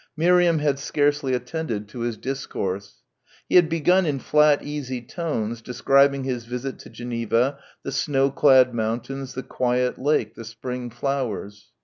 Miriam had scarcely attended to his discourse. He had begun in flat easy tones, describing his visit to Geneva, the snowclad mountains, the quiet lake, the spring flowers.